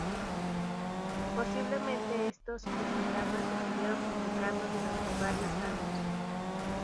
Posiblemente estos crucigramas se siguieron publicando durante varios años.